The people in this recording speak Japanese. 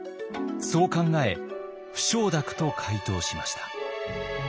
そう考え不承諾と回答しました。